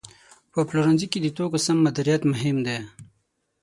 په پلورنځي کې د توکو سمه مدیریت مهم دی.